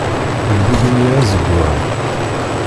Ibubb ini azeggwaɣ.